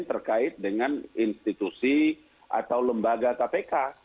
terkait dengan institusi atau lembaga kpk